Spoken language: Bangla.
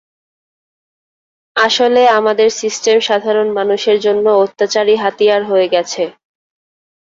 আসলে, আমাদের সিস্টেম সাধারণ মানুষের জন্য অত্যাচারী হাতিয়ার হয়ে গেছে।